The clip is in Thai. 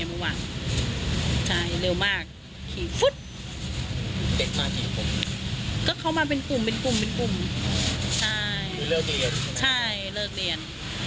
เผื่อนี้แสกมอเตอร์ไซเมื่อกดลล